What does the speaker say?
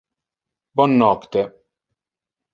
Bon nocte.